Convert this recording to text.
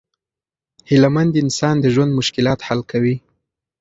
هیله مند انسان د ژوند مشکلات حل کوي.